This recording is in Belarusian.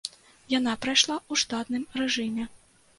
Яна прайшла ў штатным рэжыме.